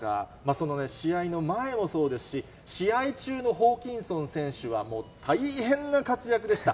その試合の前もそうですし、試合中のホーキンソン選手はもう大変な活躍でした。